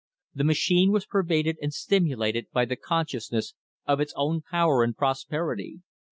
The machine was pervaded and stimulated by the consciousness of its own power and prosperity.